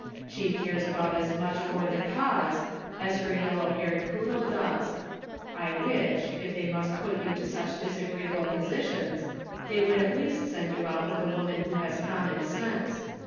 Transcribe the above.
She cares about as much for 'the cause,' as her yellow haired poodle does. I wish, if they must put you in such disagreeable po sitions, they would at least send you out with a woman who has common sense.